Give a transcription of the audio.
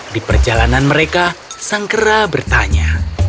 di perjalanan mereka sang kera bertanya